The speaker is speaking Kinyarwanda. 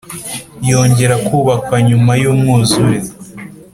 yongera kubakwa nyuma y’umwuzure